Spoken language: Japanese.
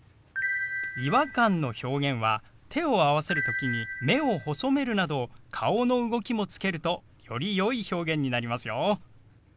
「違和感」の表現は手を合わせる時に目を細めるなど顔の動きもつけるとよりよい表現になりますよ。